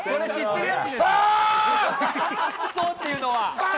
くそっていうのは。